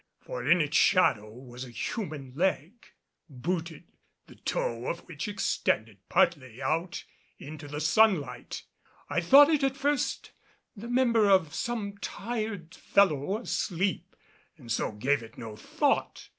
For in its shadow was a human leg, booted, the toe of which extended partly out into the sunlight. I thought it at first the member of some tired fellow asleep and so gave it no thought.